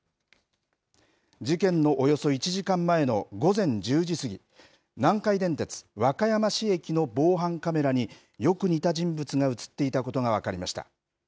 事件のおよそ１時間前の午前１０時過ぎ、南海電鉄和歌山市駅の防犯カメラに、よく似た人物が写っていたことが分かりました。